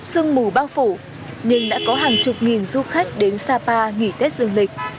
sương mù băng phủ nhưng đã có hàng chục nghìn du khách đến sapa nghỉ tết dường lịch